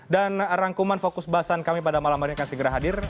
dan rangkuman fokus bahasan kami pada malam hari akan segera hadir